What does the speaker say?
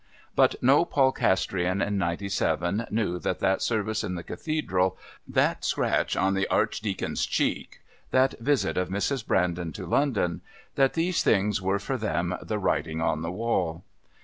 But no Polcastrian in '97 knew that that service in the Cathedral, that scratch on the Archdeacon's cheek, that visit of Mrs. Brandon to London that these things were for them the Writing on the Wall.